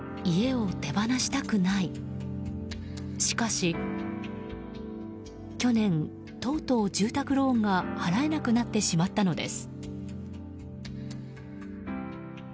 しかし去年とうとう住宅ローンが払えなくなってしまったのです。